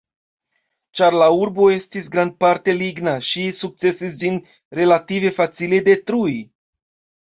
Ĉar la urbo estis grandparte ligna, ŝi sukcesis ĝin relative facile detrui.